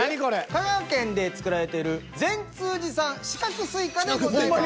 香川県で作られている善通寺産四角スイカでございます。